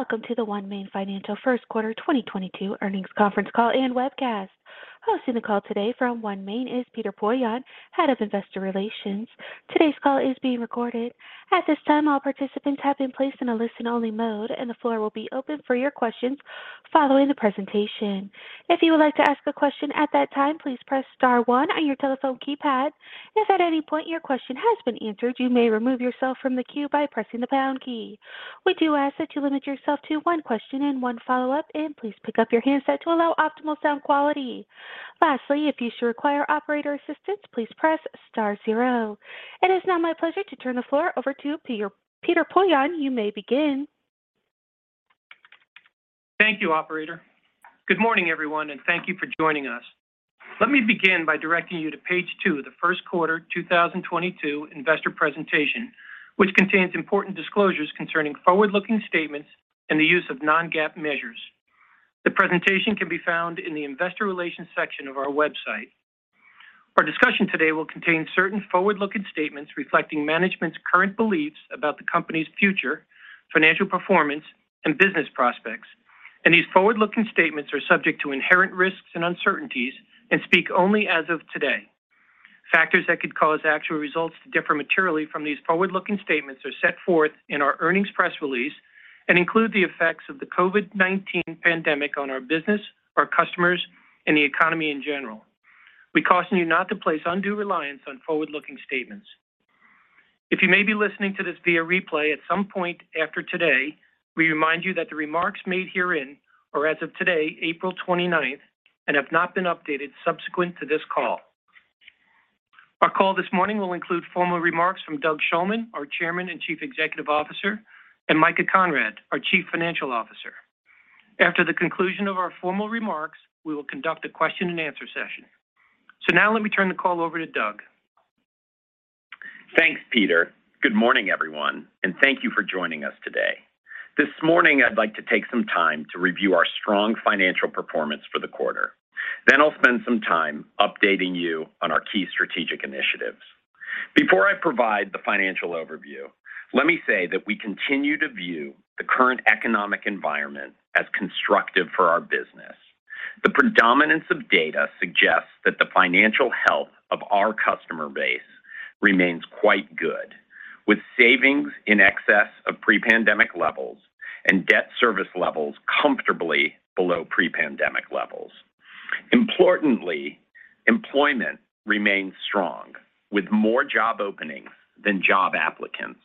Welcome to the OneMain Financial first quarter 2022 earnings conference call and webcast. Hosting the call today from OneMain is Peter Poillon, Head of Investor Relations. Today's call is being recorded. At this time, all participants have been placed in a listen-only mode, and the floor will be open for your questions following the presentation. If you would like to ask a question at that time, please press star-one on your telephone keypad. If at any point your question has been answered, you may remove yourself from the queue by pressing the pound key. We do ask that you limit yourself to one question and one follow-up, and please pick up your handset to allow optimal sound quality. Lastly, if you should require operator assistance, please press star-zero. It is now my pleasure to turn the floor over to Peter Poillon. You may begin. Thank you, operator. Good morning, everyone, and thank you for joining us. Let me begin by directing you to page two of the first quarter 2022 investor presentation, which contains important disclosures concerning forward-looking statements and the use of non-GAAP measures. The presentation can be found in the investor relations section of our website. Our discussion today will contain certain forward-looking statements reflecting management's current beliefs about the company's future financial performance and business prospects, and these forward-looking statements are subject to inherent risks and uncertainties and speak only as of today. Factors that could cause actual results to differ materially from these forward-looking statements are set forth in our earnings press release and include the effects of the COVID-19 pandemic on our business, our customers, and the economy in general. We caution you not to place undue reliance on forward-looking statements. If you may be listening to this via replay at some point after today, we remind you that the remarks made herein are as of today, April 29, and have not been updated subsequent to this call. Our call this morning will include formal remarks from Doug Shulman, our Chairman and Chief Executive Officer, and Micah Conrad, our Chief Financial Officer. After the conclusion of our formal remarks, we will conduct a question-and-answer session. Now let me turn the call over to Doug. Thanks, Peter. Good morning, everyone, and thank you for joining us today. This morning, I'd like to take some time to review our strong financial performance for the quarter. Then I'll spend some time updating you on our key strategic initiatives. Before I provide the financial overview, let me say that we continue to view the current economic environment as constructive for our business. The predominance of data suggests that the financial health of our customer base remains quite good, with savings in excess of pre-pandemic levels and debt service levels comfortably below pre-pandemic levels. Importantly, employment remains strong, with more job openings than job applicants,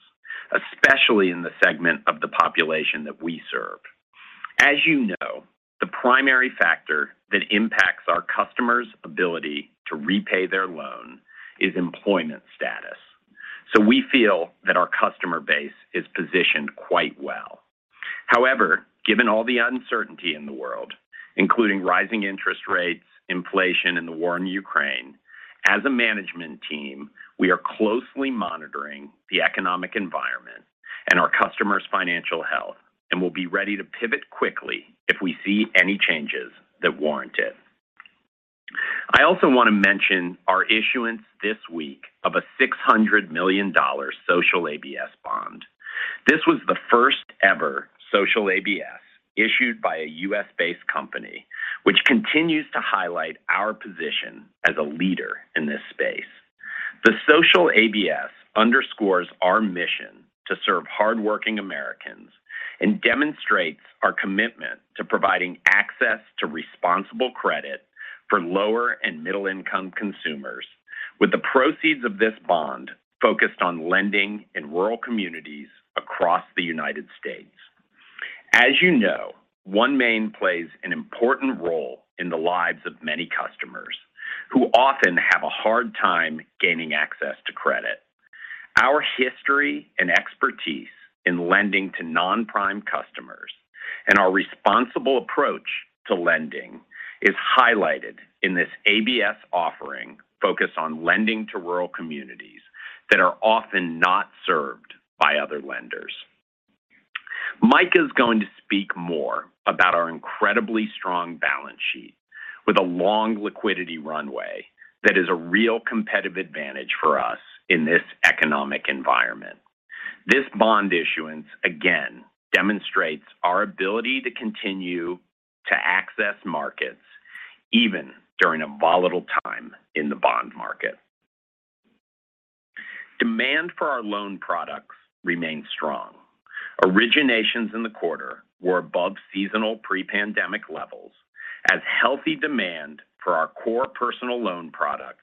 especially in the segment of the population that we serve. As you know, the primary factor that impacts our customers' ability to repay their loan is employment status. We feel that our customer base is positioned quite well. However, given all the uncertainty in the world, including rising interest rates, inflation, and the war in Ukraine, as a management team, we are closely monitoring the economic environment and our customers' financial health and will be ready to pivot quickly if we see any changes that warrant it. I also want to mention our issuance this week of a $600 million social ABS bond. This was the first-ever social ABS issued by a U.S.-based company, which continues to highlight our position as a leader in this space. The social ABS underscores our mission to serve hardworking Americans and demonstrates our commitment to providing access to responsible credit for lower- and middle-income consumers, with the proceeds of this bond focused on lending in rural communities across the United States. As you know, OneMain plays an important role in the lives of many customers who often have a hard time gaining access to credit. Our history and expertise in lending to non-prime customers and our responsible approach to lending is highlighted in this ABS offering focused on lending to rural communities that are often not served by other lenders. Micah is going to speak more about our incredibly strong balance sheet with a long liquidity runway that is a real competitive advantage for us in this economic environment. This bond issuance again demonstrates our ability to continue to access markets even during a volatile time in the bond market. Demand for our loan products remains strong. Originations in the quarter were above seasonal pre-pandemic levels as healthy demand for our core personal loan product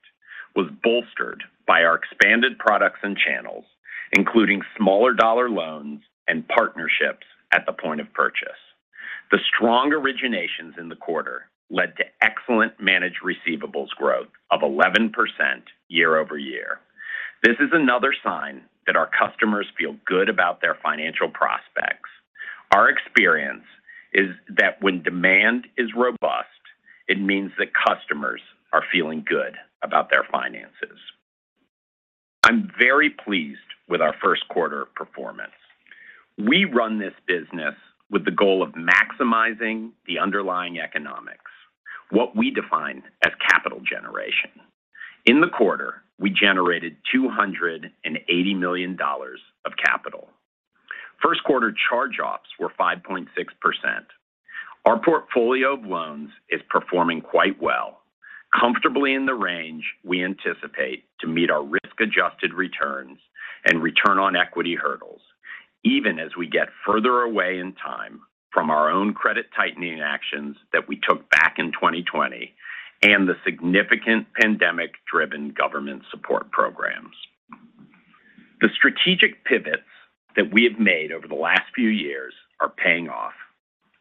was bolstered by our expanded products and channels, including smaller dollar loans and partnerships at the point of purchase. The strong originations in the quarter led to excellent managed receivables growth of 11% year-over-year. This is another sign that our customers feel good about their financial prospects. Our experience is that when demand is robust, it means that customers are feeling good about their finances. I'm very pleased with our first quarter performance. We run this business with the goal of maximizing the underlying economics, what we define as capital generation. In the quarter, we generated $280 million of capital. First quarter charge-offs were 5.6%. Our portfolio of loans is performing quite well, comfortably in the range we anticipate to meet our risk-adjusted returns and return on equity hurdles, even as we get further away in time from our own credit tightening actions that we took back in 2020 and the significant pandemic-driven government support programs. The strategic pivots that we have made over the last few years are paying off.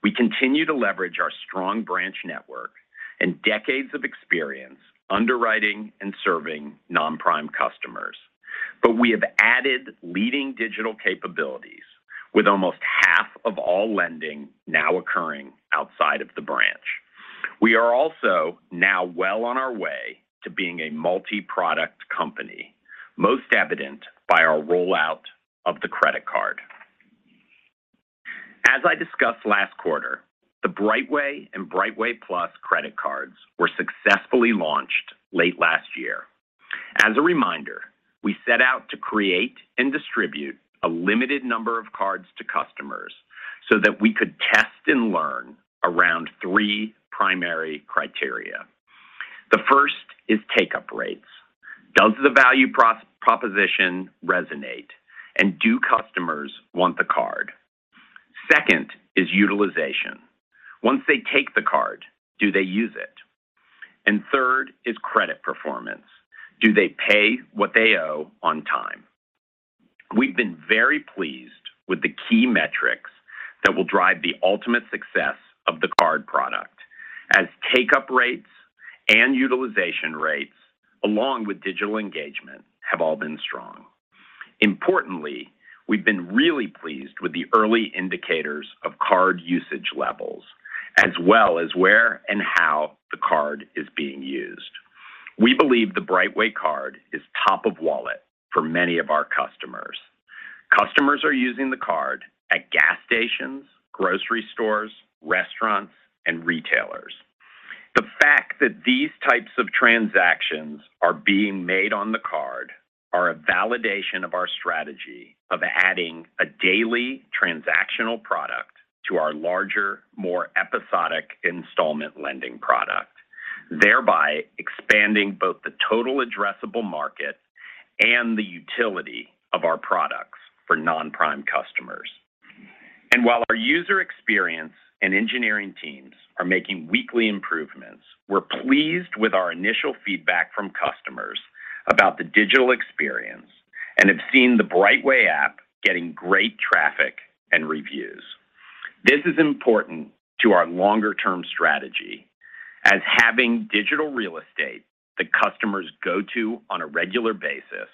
We continue to leverage our strong branch network and decades of experience underwriting and serving non-prime customers. We have added leading digital capabilities with almost half of all lending now occurring outside of the branch. We are also now well on our way to being a multi-product company, most evident by our rollout of the credit card. As I discussed last quarter, the BrightWay and BrightWay+ credit cards were successfully launched late last year. As a reminder, we set out to create and distribute a limited number of cards to customers so that we could test and learn around three primary criteria. The first is take-up rates. Does the value proposition resonate, and do customers want the card? Second is utilization. Once they take the card, do they use it? Third is credit performance. Do they pay what they owe on time? We've been very pleased with the key metrics that will drive the ultimate success of the card product as take-up rates and utilization rates along with digital engagement have all been strong. Importantly, we've been really pleased with the early indicators of card usage levels, as well as where and how the card is being used. We believe the BrightWay card is top of wallet for many of our customers. Customers are using the card at gas stations, grocery stores, restaurants, and retailers. The fact that these types of transactions are being made on the card are a validation of our strategy of adding a daily transactional product to our larger, more episodic installment lending product, thereby expanding both the total addressable market and the utility of our products for non-prime customers. While our user experience and engineering teams are making weekly improvements, we're pleased with our initial feedback from customers about the digital experience and have seen the BrightWay app getting great traffic and reviews. This is important to our longer-term strategy as having digital real estate that customers go to on a regular basis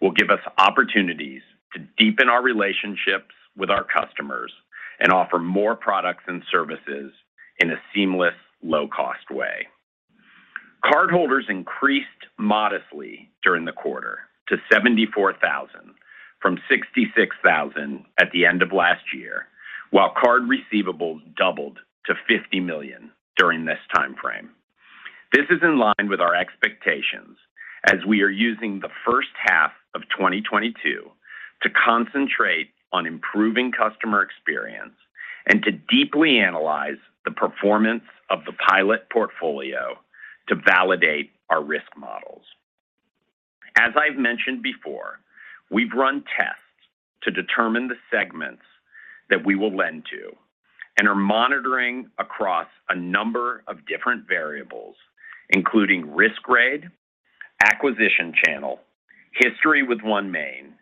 will give us opportunities to deepen our relationships with our customers and offer more products and services in a seamless, low-cost way. Cardholders increased modestly during the quarter to 74,000 from 66,000 at the end of last year, while card receivables doubled to $50 million during this time frame. This is in line with our expectations as we are using the first half of 2022 to concentrate on improving customer experience and to deeply analyze the performance of the pilot portfolio to validate our risk models. As I've mentioned before, we've run tests to determine the segments that we will lend to and are monitoring across a number of different variables, including risk grade, acquisition channel, history with OneMain,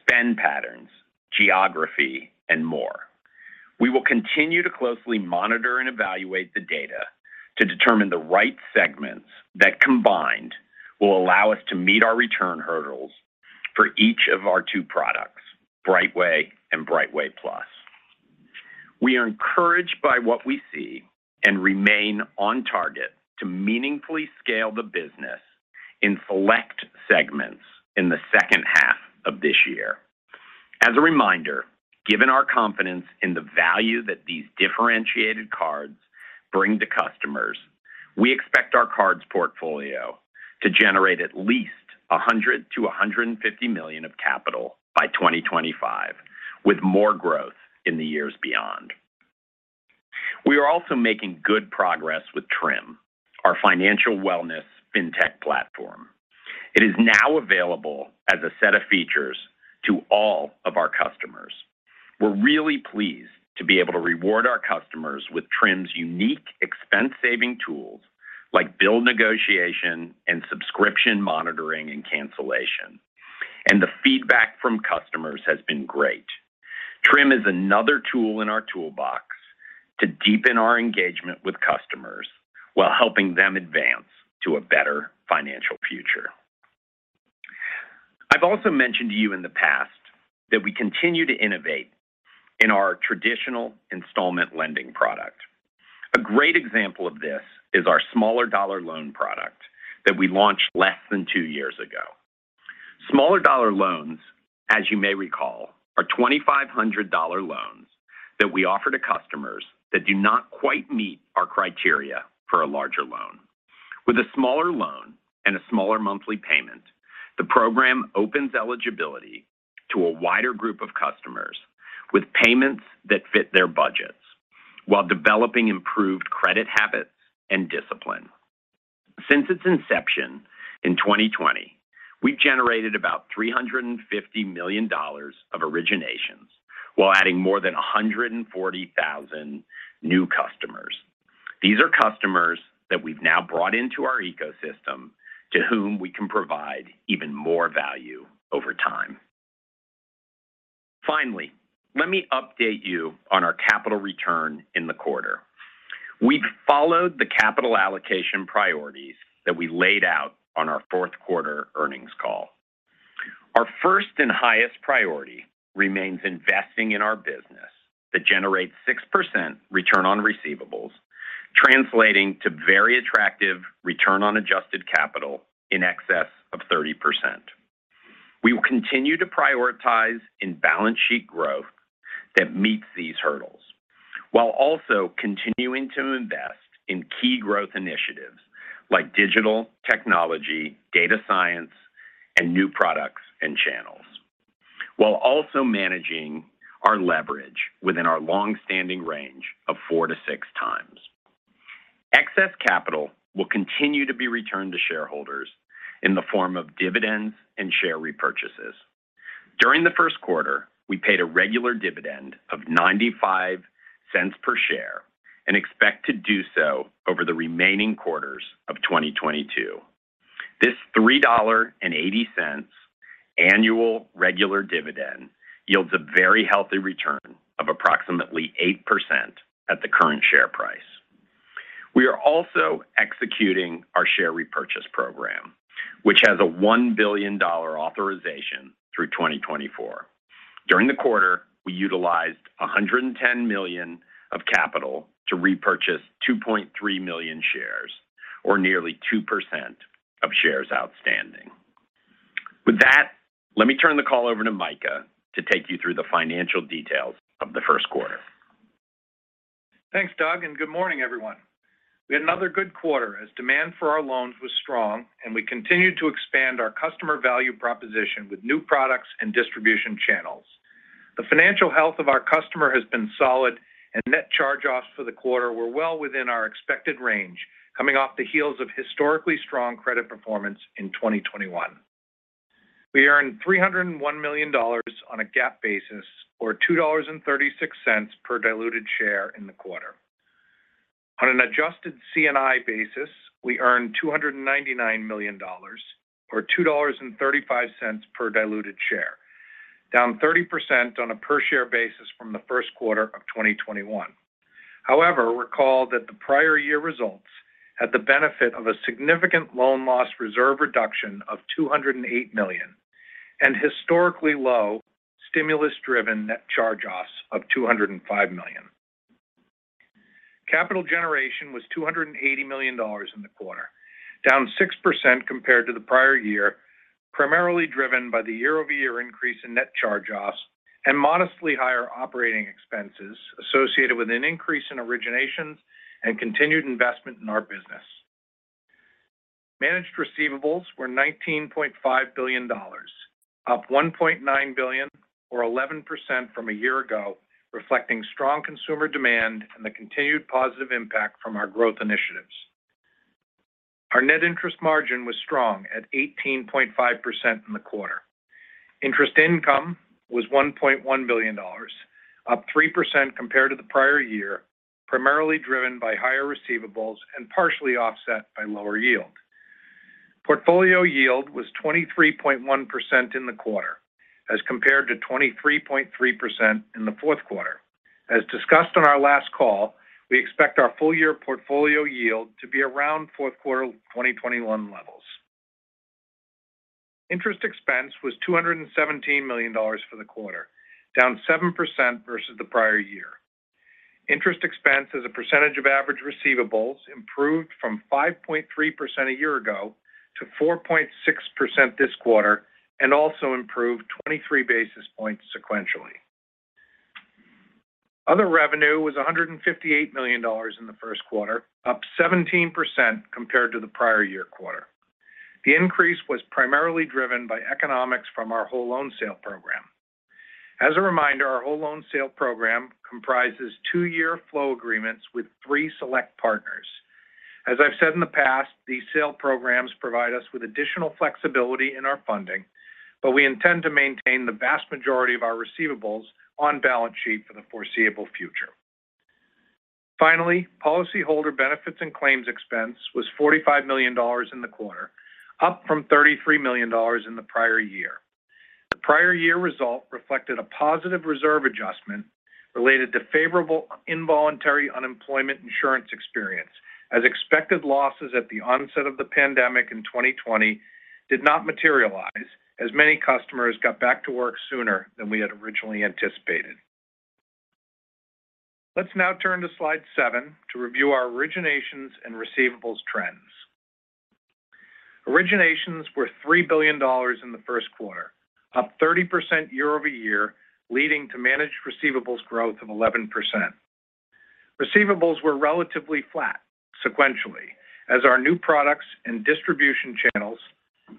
spend patterns, geography, and more. We will continue to closely monitor and evaluate the data to determine the right segments that combined will allow us to meet our return hurdles for each of our two products, BrightWay and BrightWay+. We are encouraged by what we see and remain on target to meaningfully scale the business in select segments in the second half of this year. As a reminder, given our confidence in the value that these differentiated cards bring to customers, we expect our cards portfolio to generate at least $100 million-$150 million of capital by 2025, with more growth in the years beyond. We are also making good progress with Trim, our financial wellness fintech platform. It is now available as a set of features to all of our customers. We're really pleased to be able to reward our customers with Trim's unique expense-saving tools like bill negotiation and subscription monitoring and cancellation. The feedback from customers has been great. Trim is another tool in our toolbox to deepen our engagement with customers while helping them advance to a better financial future. I've also mentioned to you in the past that we continue to innovate in our traditional installment lending product. A great example of this is our smaller dollar loan product that we launched less than two years ago. Smaller dollar loans, as you may recall, are $2,500 loans that we offer to customers that do not quite meet our criteria for a larger loan. With a smaller loan and a smaller monthly payment, the program opens eligibility to a wider group of customers with payments that fit their budgets while developing improved credit habits and discipline. Since its inception in 2020, we've generated about $350 million of originations while adding more than 140,000 new customers. These are customers that we've now brought into our ecosystem to whom we can provide even more value over time. Finally, let me update you on our capital return in the quarter. We've followed the capital allocation priorities that we laid out on our fourth quarter earnings call. Our first and highest priority remains investing in our business that generates 6% return on receivables, translating to very attractive return on adjusted capital in excess of 30%. We will continue to prioritize in balance sheet growth that meets these hurdles, while also continuing to invest in key growth initiatives like digital technology, data science, and new products and channels, while also managing our leverage within our long-standing range of 4x-6x. Excess capital will continue to be returned to shareholders in the form of dividends and share repurchases. During the first quarter, we paid a regular dividend of $0.95 per share and expect to do so over the remaining quarters of 2022. This $3.80 annual regular dividend yields a very healthy return of approximately 8% at the current share price. We are also executing our share repurchase program, which has a $1 billion authorization through 2024. During the quarter, we utilized $110 million of capital to repurchase 2.3 million shares or nearly 2% of shares outstanding. With that, let me turn the call over to Micah to take you through the financial details of the first quarter. Thanks, Doug, and good morning, everyone. We had another good quarter as demand for our loans was strong and we continued to expand our customer value proposition with new products and distribution channels. The financial health of our customer has been solid and net charge-offs for the quarter were well within our expected range, coming off the heels of historically strong credit performance in 2021. We earned $301 million on a GAAP basis or $2.36 per diluted share in the quarter. On an adjusted C&I basis, we earned $299 million or $2.35 per diluted share, down 30% on a per-share basis from the first quarter of 2021. However, recall that the prior year results had the benefit of a significant loan loss reserve reduction of $208 million and historically low stimulus-driven net charge-offs of $205 million. Capital generation was $280 million in the quarter, down 6% compared to the prior year, primarily driven by the year-over-year increase in net charge-offs and modestly higher operating expenses associated with an increase in originations and continued investment in our business. Managed receivables were $19.5 billion, up $1.9 billion or 11% from a year ago, reflecting strong consumer demand and the continued positive impact from our growth initiatives. Our net interest margin was strong at 18.5% in the quarter. Interest income was $1.1 billion, up 3% compared to the prior year, primarily driven by higher receivables and partially offset by lower yield. Portfolio yield was 23.1% in the quarter as compared to 23.3% in the fourth quarter. As discussed on our last call, we expect our full year portfolio yield to be around fourth quarter 2021 levels. Interest expense was $217 million for the quarter, down 7% versus the prior year. Interest expense as a percentage of average receivables improved from 5.3% a year ago to 4.6% this quarter and also improved 23 basis points sequentially. Other revenue was $158 million in the first quarter, up 17% compared to the prior year quarter. The increase was primarily driven by economics from our whole loan sale program. As a reminder, our whole loan sale program comprises two-year flow agreements with three select partners. As I've said in the past, these sale programs provide us with additional flexibility in our funding, but we intend to maintain the vast majority of our receivables on balance sheet for the foreseeable future. Finally, policyholder benefits and claims expense was $45 million in the quarter, up from $33 million in the prior year. The prior year result reflected a positive reserve adjustment related to favorable involuntary unemployment insurance experience as expected losses at the onset of the pandemic in 2020 did not materialize as many customers got back to work sooner than we had originally anticipated. Let's now turn to slide seven to review our originations and receivables trends. Originations were $3 billion in the first quarter, up 30% year-over-year, leading to managed receivables growth of 11%. Receivables were relatively flat sequentially as our new products and distribution channels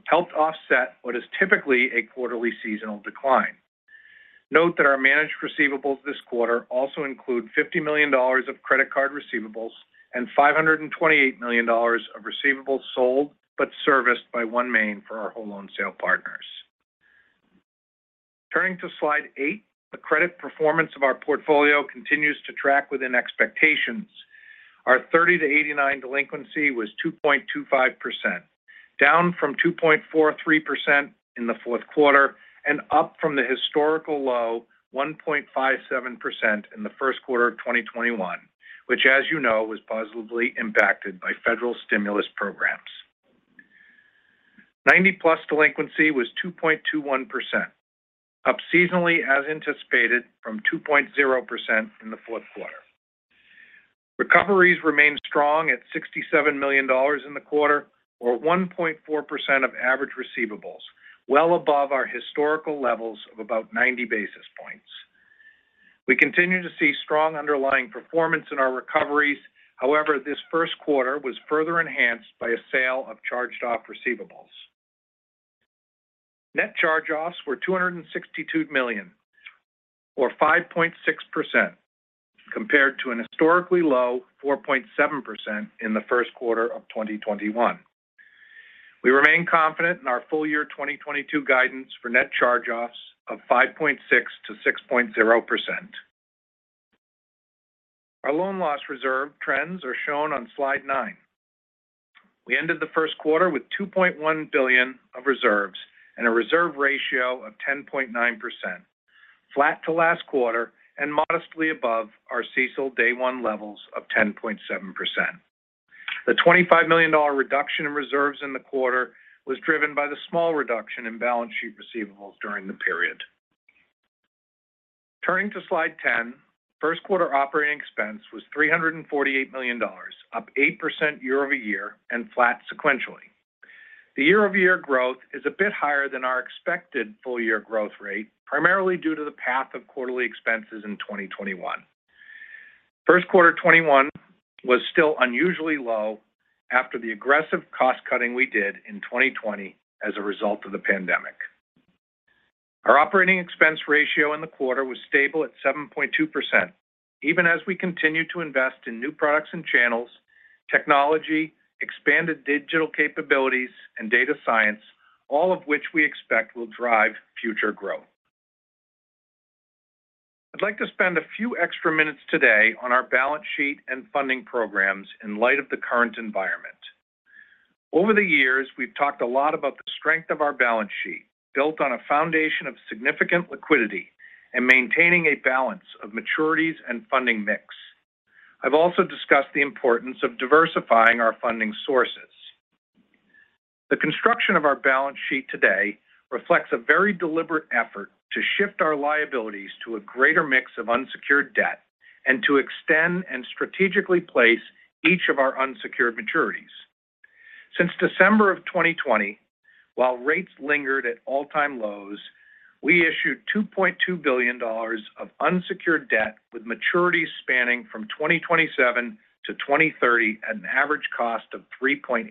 helped offset what is typically a quarterly seasonal decline. Note that our managed receivables this quarter also include $50 million of credit card receivables and $528 million of receivables sold but serviced by OneMain for our whole loan sale partners. Turning to slide eight, the credit performance of our portfolio continues to track within expectations. Our 30-89 delinquency was 2.25%, down from 2.43% in the fourth quarter and up from the historical low 1.57% in the first quarter of 2021, which as you know, was positively impacted by federal stimulus programs. 90+ delinquency was 2.21%, up seasonally as anticipated from 2.0% in the fourth quarter. Recoveries remained strong at $67 million in the quarter or 1.4% of average receivables, well above our historical levels of about 90 basis points. We continue to see strong underlying performance in our recoveries. However, this first quarter was further enhanced by a sale of charged-off receivables. Net charge-offs were $262 million or 5.6% compared to an historically low 4.7% in the first quarter of 2021. We remain confident in our full-year 2022 guidance for net charge-offs of 5.6%-6.0%. Our loan loss reserve trends are shown on slide nine. We ended the first quarter with $2.1 billion of reserves and a reserve ratio of 10.9%, flat to last quarter and modestly above our CECL day one levels of 10.7%. The $25 million reduction in reserves in the quarter was driven by the small reduction in balance sheet receivables during the period. Turning to slide 10, first quarter operating expense was $348 million, up 8% year-over-year and flat sequentially. The year-over-year growth is a bit higher than our expected full-year growth rate, primarily due to the path of quarterly expenses in 2021. First quarter 2021 was still unusually low after the aggressive cost-cutting we did in 2020 as a result of the pandemic. Our operating expense ratio in the quarter was stable at 7.2% even as we continue to invest in new products and channels, technology, expanded digital capabilities, and data science, all of which we expect will drive future growth. I'd like to spend a few extra minutes today on our balance sheet and funding programs in light of the current environment. Over the years, we've talked a lot about the strength of our balance sheet, built on a foundation of significant liquidity and maintaining a balance of maturities and funding mix. I've also discussed the importance of diversifying our funding sources. The construction of our balance sheet today reflects a very deliberate effort to shift our liabilities to a greater mix of unsecured debt and to extend and strategically place each of our unsecured maturities. Since December 2020, while rates lingered at all-time lows, we issued $2.2 billion of unsecured debt with maturities spanning from 2027 to 2030 at an average cost of 3.8%.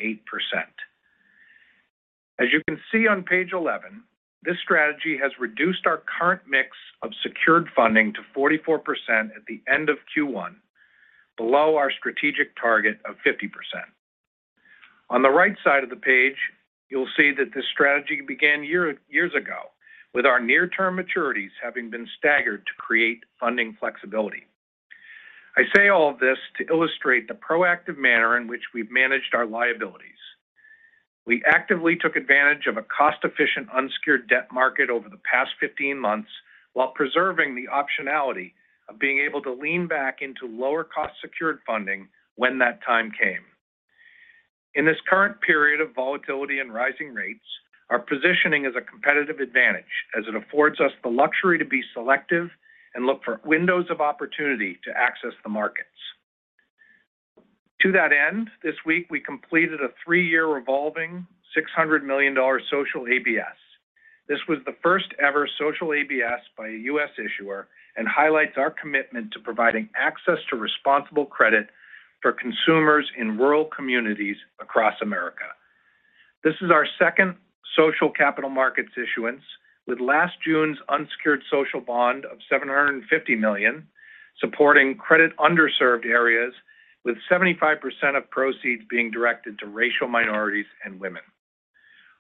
As you can see on page 11, this strategy has reduced our current mix of secured funding to 44% at the end of Q1, below our strategic target of 50%. On the right side of the page, you'll see that this strategy began years ago with our near-term maturities having been staggered to create funding flexibility. I say all of this to illustrate the proactive manner in which we've managed our liabilities. We actively took advantage of a cost-efficient unsecured debt market over the past 15 months while preserving the optionality of being able to lean back into lower-cost secured funding when that time came. In this current period of volatility and rising rates, our positioning is a competitive advantage as it affords us the luxury to be selective and look for windows of opportunity to access the markets. To that end, this week we completed a three-year revolving $600 million social ABS. This was the first-ever social ABS by a U.S. issuer and highlights our commitment to providing access to responsible credit for consumers in rural communities across America. This is our second social capital markets issuance with last June's unsecured social bond of $750 million supporting credit underserved areas with 75% of proceeds being directed to racial minorities and women.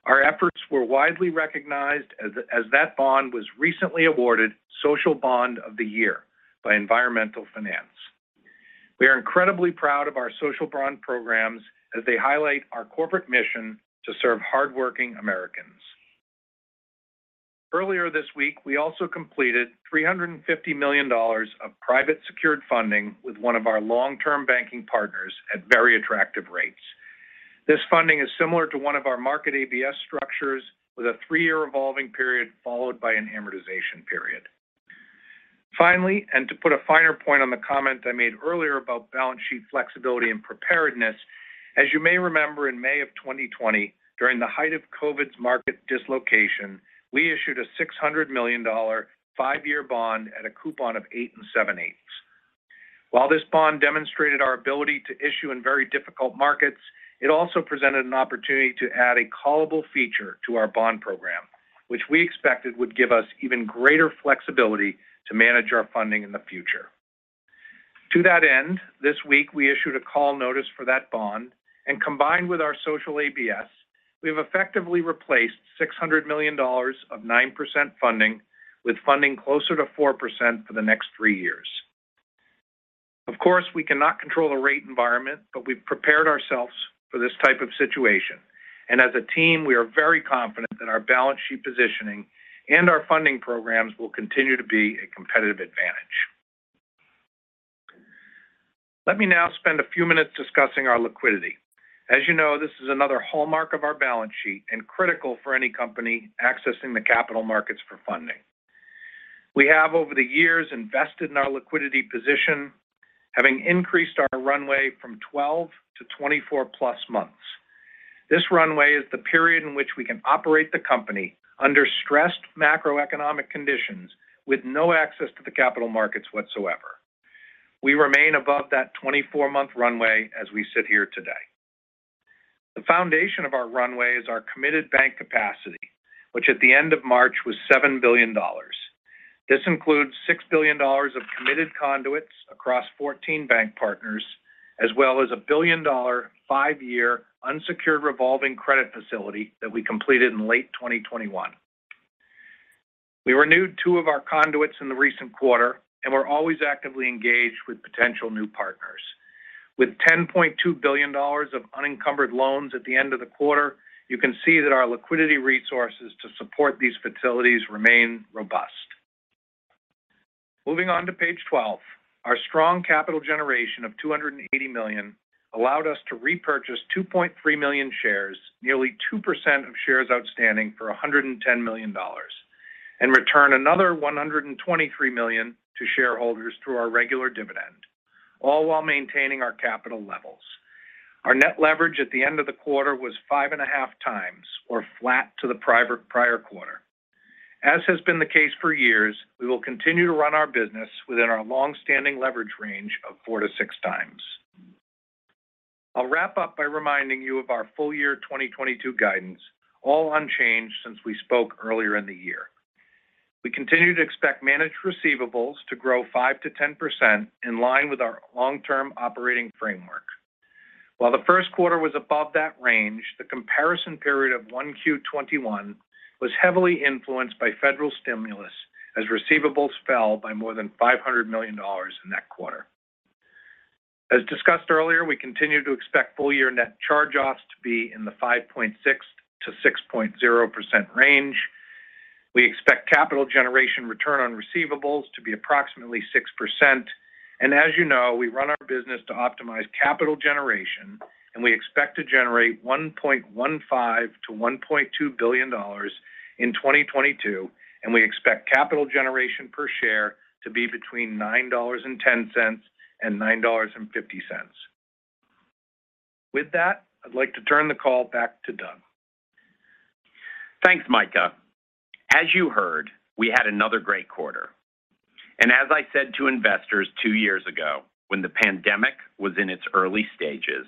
Our efforts were widely recognized, as that bond was recently awarded Social Bond of the Year by Environmental Finance. We are incredibly proud of our Social Bond programs as they highlight our corporate mission to serve hardworking Americans. Earlier this week, we also completed $350 million of private secured funding with one of our long-term banking partners at very attractive rates. This funding is similar to one of our market ABS structures with a three-year revolving period, followed by an amortization period. Finally, to put a finer point on the comment I made earlier about balance sheet flexibility and preparedness, as you may remember, in May 2020, during the height of COVID's market dislocation, we issued a $600 million five-year bond at a coupon of 8 7/8. While this bond demonstrated our ability to issue in very difficult markets, it also presented an opportunity to add a callable feature to our bond program, which we expected would give us even greater flexibility to manage our funding in the future. To that end, this week we issued a call notice for that bond, and combined with our Social ABS, we have effectively replaced $600 million of 9% funding with funding closer to 4% for the next three years. Of course, we cannot control the rate environment, but we've prepared ourselves for this type of situation. As a team, we are very confident that our balance sheet positioning and our funding programs will continue to be a competitive advantage. Let me now spend a few minutes discussing our liquidity. As you know, this is another hallmark of our balance sheet and critical for any company accessing the capital markets for funding. We have, over the years, invested in our liquidity position, having increased our runway from 12 to 24+ months. This runway is the period in which we can operate the company under stressed macroeconomic conditions with no access to the capital markets whatsoever. We remain above that 24-month runway as we sit here today. The foundation of our runway is our committed bank capacity, which at the end of March was $7 billion. This includes $6 billion of committed conduits across 14 bank partners, as well as a $1 billion five-year unsecured revolving credit facility that we completed in late 2021. We renewed two of our conduits in the recent quarter, and we're always actively engaged with potential new partners. With $10.2 billion of unencumbered loans at the end of the quarter, you can see that our liquidity resources to support these facilities remain robust. Moving on to page 12. Our strong capital generation of $280 million allowed us to repurchase 2.3 million shares, nearly 2% of shares outstanding for $110 million, and return another $123 million to shareholders through our regular dividend, all while maintaining our capital levels. Our net leverage at the end of the quarter was 5.5x or flat to the prior quarter. As has been the case for years, we will continue to run our business within our long-standing leverage range of 4x-6x. I'll wrap up by reminding you of our full year 2022 guidance, all unchanged since we spoke earlier in the year. We continue to expect managed receivables to grow 5%-10% in line with our long-term operating framework. While the first quarter was above that range, the comparison period of 1Q 2021 was heavily influenced by federal stimulus as receivables fell by more than $500 million in that quarter. As discussed earlier, we continue to expect full-year net charge-offs to be in the 5.6%-6.0% range. We expect capital generation return on receivables to be approximately 6%. As you know, we run our business to optimize capital generation, and we expect to generate $1.15 billion-$1.2 billion in 2022, and we expect capital generation per share to be between $9.10 and $9.50. With that, I'd like to turn the call back to Doug. Thanks, Micah. As you heard, we had another great quarter. As I said to investors two years ago when the pandemic was in its early stages,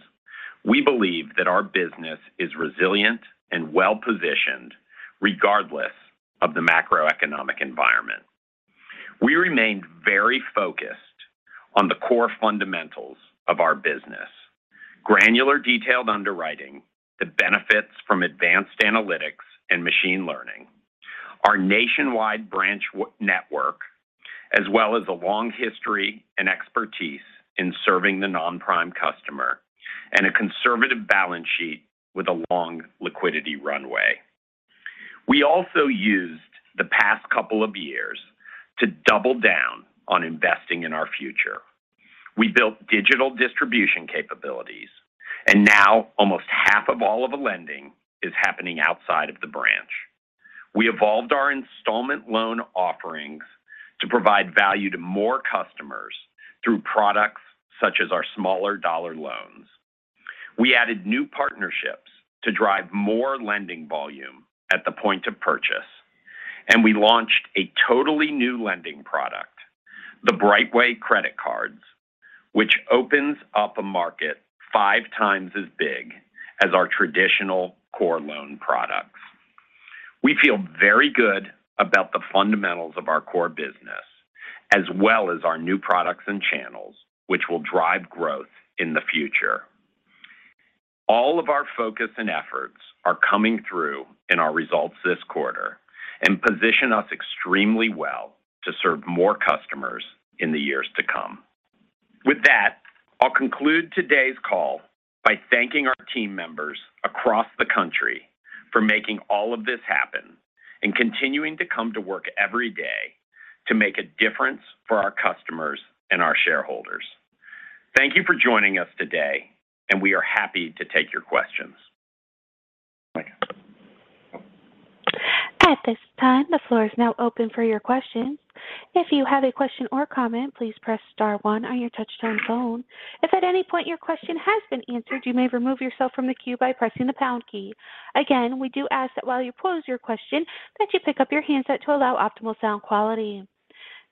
we believe that our business is resilient and well-positioned regardless of the macroeconomic environment. We remained very focused on the core fundamentals of our business, granular, detailed underwriting that benefits from advanced analytics and machine learning. Our nationwide branch network, as well as a long history and expertise in serving the non-prime customer and a conservative balance sheet with a long liquidity runway. We also used the past couple of years to double down on investing in our future. We built digital distribution capabilities, and now almost half of all of the lending is happening outside of the branch. We evolved our installment loan offerings to provide value to more customers through products such as our smaller dollar loans. We added new partnerships to drive more lending volume at the point of purchase. We launched a totally new lending product, the BrightWay credit cards, which opens up a market 5x as big as our traditional core loan products. We feel very good about the fundamentals of our core business as well as our new products and channels, which will drive growth in the future. All of our focus and efforts are coming through in our results this quarter and position us extremely well to serve more customers in the years to come. With that, I'll conclude today's call by thanking our team members across the country for making all of this happen and continuing to come to work every day to make a difference for our customers and our shareholders. Thank you for joining us today, and we are happy to take your questions. At this time, the floor is now open for your questions. If you have a question or comment, please press star-one on your touch-tone phone. If at any point your question has been answered, you may remove yourself from the queue by pressing the pound key. Again, we do ask that while you pose your question that you pick up your handset to allow optimal sound quality.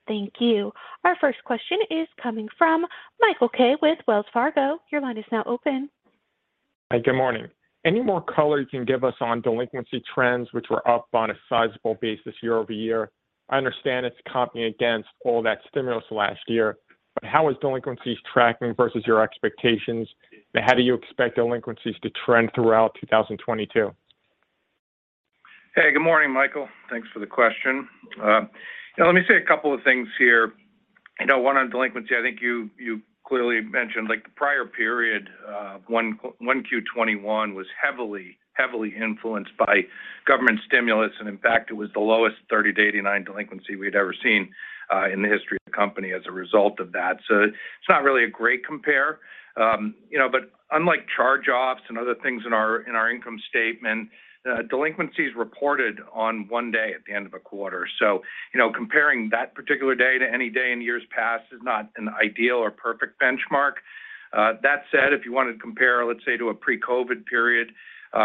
Thank you. Our first question is coming from Michael K. with Wells Fargo. Your line is now open. Hi. Good morning. Any more color you can give us on delinquency trends, which were up on a sizable basis year-over-year? I understand it's comping against all that stimulus last year. How is delinquencies tracking versus your expectations? How do you expect delinquencies to trend throughout 2022? Hey, good morning, Michael. Thanks for the question. Let me say a couple of things here. You know, one on delinquency, I think you clearly mentioned, like, the prior period, 1Q 2021 was heavily influenced by government stimulus, and in fact, it was the lowest 30-89 delinquency we'd ever seen in the history of the company as a result of that. It's not really a great compare. You know, but unlike charge-offs and other things in our income statement, delinquency is reported on one day at the end of a quarter. You know, comparing that particular day to any day in years past is not an ideal or perfect benchmark. That said, if you want to compare, let's say, to a pre-COVID period,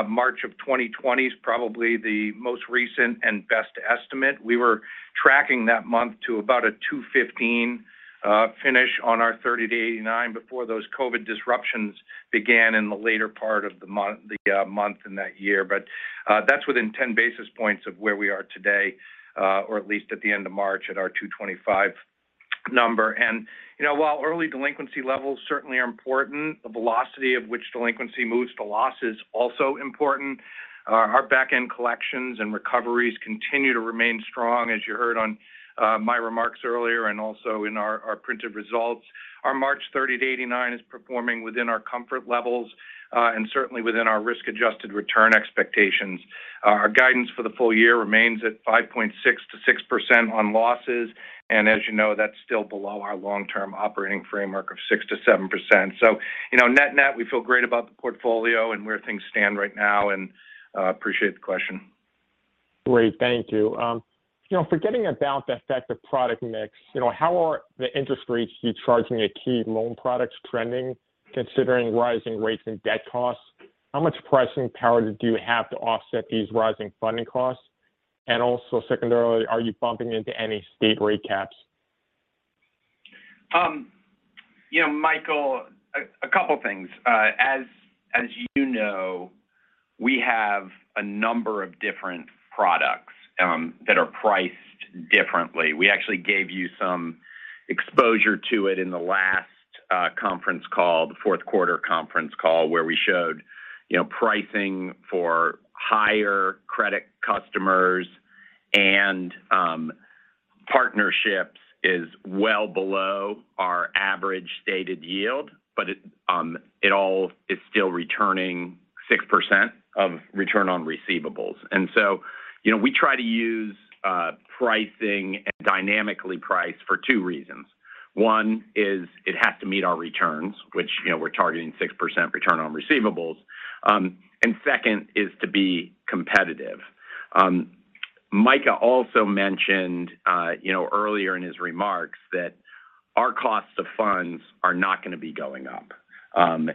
March of 2020 is probably the most recent and best estimate. We were tracking that month to about a 215 finish on our 30-89 before those COVID disruptions began in the later part of the month in that year. That's within 10 basis points of where we are today, or at least at the end of March at our 225 number. You know, while early delinquency levels certainly are important, the velocity of which delinquency moves to loss is also important. Our back-end collections and recoveries continue to remain strong, as you heard on my remarks earlier and also in our printed results. Our March 30-89 is performing within our comfort levels and certainly within our risk-adjusted return expectations. Our guidance for the full year remains at 5.6%-6% on losses, and as you know, that's still below our long-term operating framework of 6%-7%. You know, net-net, we feel great about the portfolio and where things stand right now and appreciate the question. Great. Thank you. You know, forgetting about the effect of product mix, you know, how are the interest rates you're charging at key loan products trending considering rising rates and debt costs? How much pricing power do you have to offset these rising funding costs? Also secondarily, are you bumping into any state rate caps? You know, Michael, a couple things. As you know, we have a number of different products that are priced differently. We actually gave you some exposure to it in the last conference call, the fourth quarter conference call, where we showed pricing for higher credit customers and partnerships is well below our average stated yield. It all is still returning 6% return on receivables. You know, we try to use pricing and dynamically price for two reasons. One is it has to meet our returns, which, you know, we're targeting 6% return on receivables. Second is to be competitive. Micah also mentioned, you know, earlier in his remarks that our cost of funds are not going to be going up.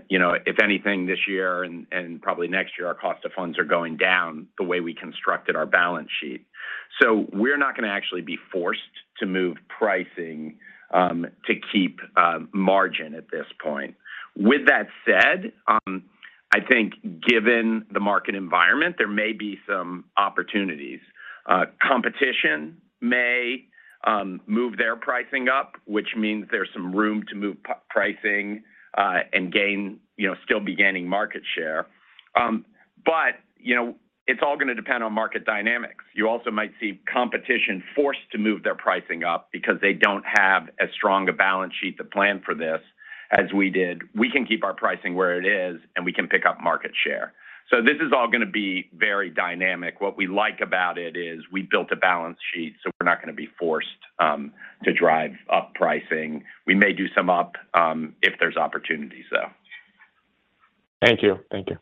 You know, if anything this year and probably next year, our cost of funds are going down the way we constructed our balance sheet. We're not going to actually be forced to move pricing to keep margin at this point. With that said, I think given the market environment, there may be some opportunities. Competition may move their pricing up, which means there's some room to move pricing and gain, you know, still be gaining market share. You know, it's all going to depend on market dynamics. You also might see competition forced to move their pricing up because they don't have as strong a balance sheet to plan for this as we did. We can keep our pricing where it is, and we can pick up market share. This is all going to be very dynamic. What we like about it is we built a balance sheet, so we're not going to be forced to drive up pricing. We may do some up if there's opportunities, though. Thank you. Thank you.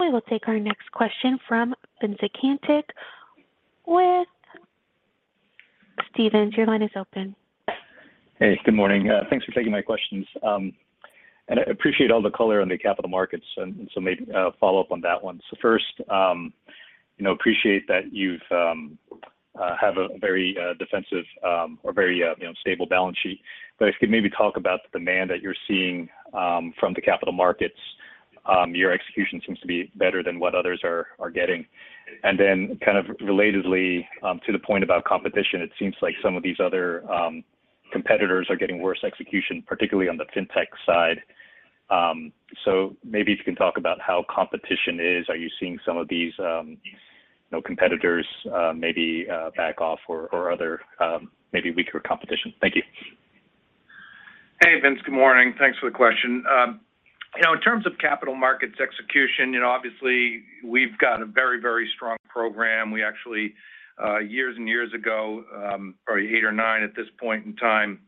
We will take our next question from Vincent Caintic with Stephens. Your line is open. Hey, good morning. Thanks for taking my questions. I appreciate all the color on the capital markets, and so maybe a follow-up on that one. First, you know, appreciate that you have a very defensive or very you know stable balance sheet. If you could maybe talk about the demand that you're seeing from the capital markets. Your execution seems to be better than what others are getting. Kind of relatedly, to the point about competition, it seems like some of these other competitors are getting worse execution, particularly on the fintech side. Maybe if you can talk about how competition is. Are you seeing some of these you know competitors maybe back off or other maybe weaker competition? Thank you. Hey Vince, good morning. Thanks for the question. You know, in terms of capital markets execution, you know, obviously we've got a very, very strong program. We actually, years and years ago, probably eight or nine at this point in time,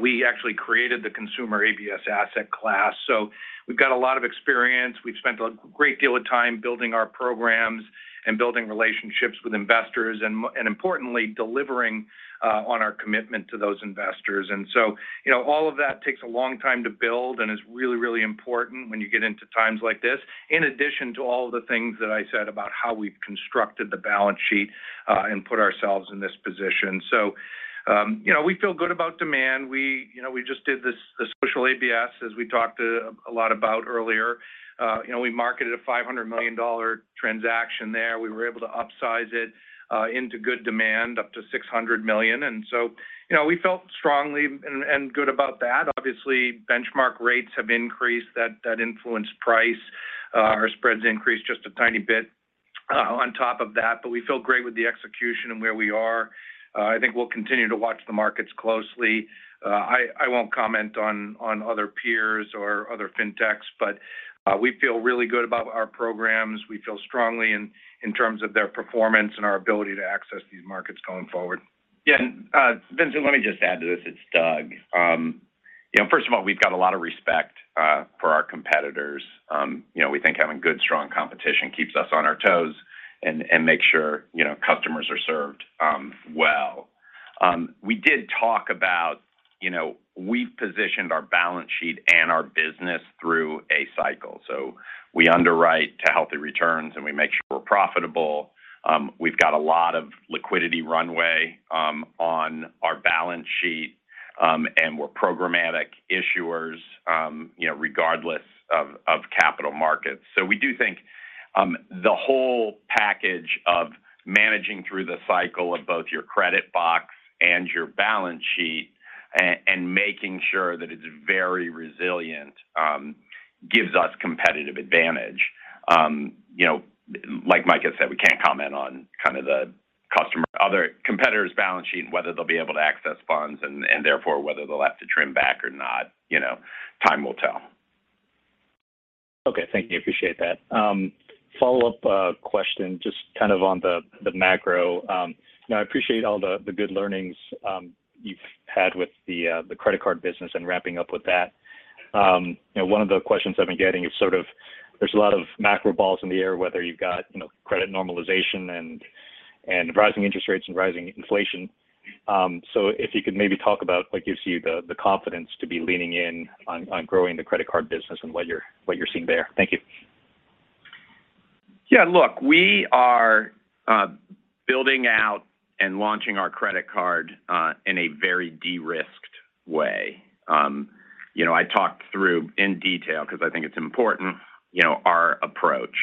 we actually created the consumer ABS asset class. We've got a lot of experience. We've spent a great deal of time building our programs and building relationships with investors and importantly, delivering on our commitment to those investors. You know, all of that takes a long time to build and is really, really important when you get into times like this, in addition to all of the things that I said about how we've constructed the balance sheet and put ourselves in this position. You know, we feel good about demand. You know, we just did this, the Social ABS as we talked a lot about earlier. You know, we marketed a $500 million transaction there. We were able to upsize it into good demand up to $600 million. You know, we felt strongly and good about that. Obviously, benchmark rates have increased. That influenced price. Our spreads increased just a tiny bit on top of that, but we feel great with the execution and where we are. I think we'll continue to watch the markets closely. I won't comment on other peers or other fintechs, but we feel really good about our programs. We feel strongly in terms of their performance and our ability to access these markets going forward. Yeah. Vincent, let me just add to this. It's Doug. You know, first of all, we've got a lot of respect for our competitors. You know, we think having good, strong competition keeps us on our toes and makes sure, you know, customers are served well. We did talk about, you know, we've positioned our balance sheet and our business through a cycle. We underwrite to healthy returns, and we make sure we're profitable. We've got a lot of liquidity runway on our balance sheet. We're programmatic issuers, you know, regardless of capital markets. We do think the whole package of managing through the cycle of both your credit box and your balance sheet and making sure that it's very resilient gives us competitive advantage. You know, like Mike has said, we can't comment on kind of other competitors' balance sheet, whether they'll be able to access funds and therefore whether they'll have to trim back or not, you know. Time will tell. Okay. Thank you. Appreciate that. Follow-up question, just kind of on the macro. You know, I appreciate all the good learnings you've had with the credit card business and ramping up with that. You know, one of the questions I've been getting is sort of there's a lot of macro balls in the air, whether you've got, you know, credit normalization and rising interest rates and rising inflation. If you could maybe talk about what gives you the confidence to be leaning in on growing the credit card business and what you're seeing there. Thank you. Yeah. Look, we are building out and launching our credit card in a very de-risked way. You know, I talked through in detail because I think it's important, you know, our approach,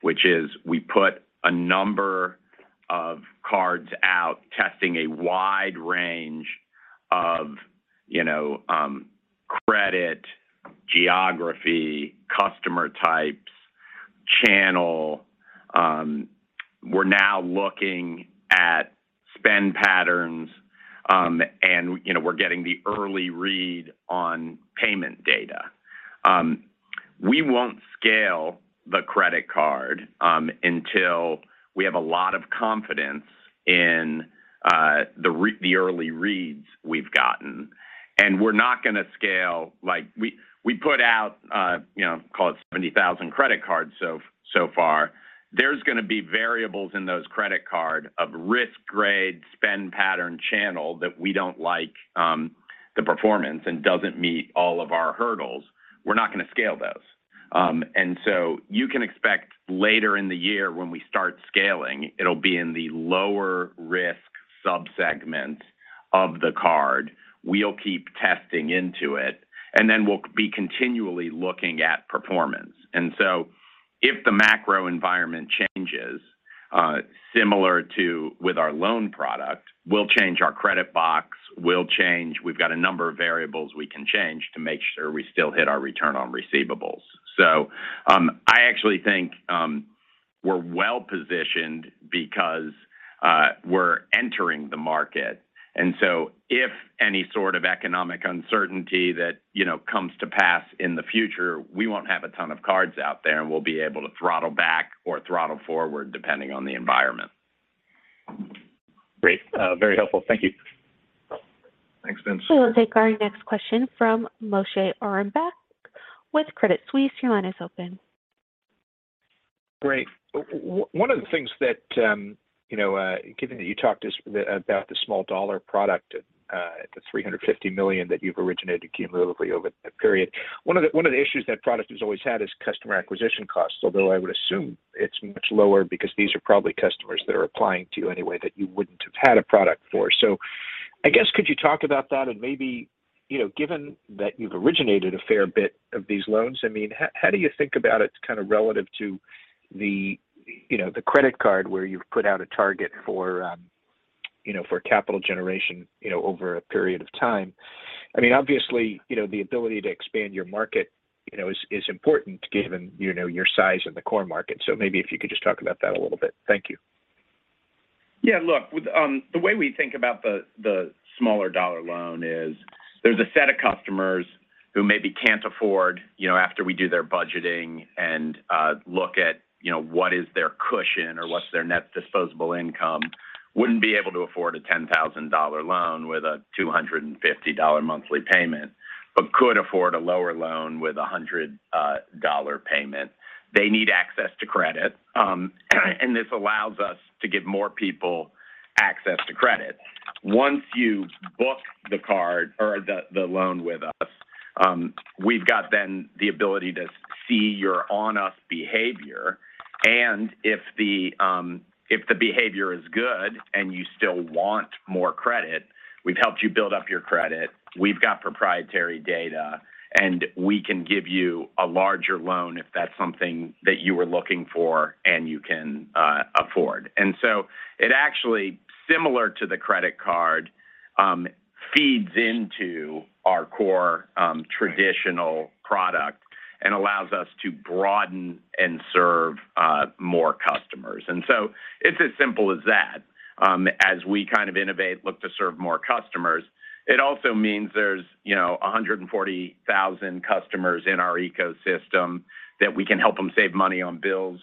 which is we put a number of cards out testing a wide range of, you know, credit, geography, customer types, channel. We're now looking at spend patterns, and, you know, we're getting the early read on payment data. We won't scale the credit card until we have a lot of confidence in the early reads we've gotten. Like, we put out, you know, call it 70,000 credit cards so far. There's going to be variables in those credit cards, risk grade, spend pattern, channel that we don't like. If the performance doesn't meet all of our hurdles, we're not going to scale those. You can expect later in the year when we start scaling, it'll be in the lower risk subsegment of the card. We'll keep testing into it, and then we'll be continually looking at performance. If the macro environment changes, similar to with our loan product, we'll change our credit box. We've got a number of variables we can change to make sure we still hit our return on receivables. I actually think we're well-positioned because we're entering the market. If any sort of economic uncertainty that, you know, comes to pass in the future, we won't have a ton of cards out there, and we'll be able to throttle back or throttle forward depending on the environment. Great. Very helpful. Thank you. Thanks, Vince. We will take our next question from Moshe Orenbuch with Credit Suisse. Your line is open. Great. One of the things that, you know, given that you talked to us about the small dollar product, the $350 million that you've originated cumulatively over the period. One of the issues that product has always had is customer acquisition costs, although I would assume it's much lower because these are probably customers that are applying to you anyway that you wouldn't have had a product for. I guess, could you talk about that? And maybe, you know, given that you've originated a fair bit of these loans, I mean, how do you think about it kind of relative to the, you know, the credit card where you've put out a target for, you know, for capital generation, you know, over a period of time? I mean, obviously, you know, the ability to expand your market, you know, is important given, you know, your size in the core market. Maybe if you could just talk about that a little bit. Thank you. Yeah, look, with the way we think about the smaller dollar loan is there's a set of customers who maybe can't afford, you know, after we do their budgeting and look at, you know, what is their cushion or what's their net disposable income, wouldn't be able to afford a $10,000 loan with a $250 monthly payment, but could afford a lower loan with a $100 payment. They need access to credit. This allows us to give more people access to credit. Once you book the card or the loan with us, we've got then the ability to see your on-us behavior. If the behavior is good and you still want more credit, we've helped you build up your credit. We've got proprietary data, and we can give you a larger loan if that's something that you were looking for and you can afford. It actually, similar to the credit card, feeds into our core traditional product and allows us to broaden and serve more customers. It's as simple as that. As we kind of innovate, look to serve more customers, it also means there's, you know, 140,000 customers in our ecosystem that we can help them save money on bills